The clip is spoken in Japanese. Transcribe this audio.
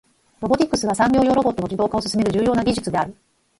ロボティクスは、産業用ロボットの自動化を進める重要な技術である。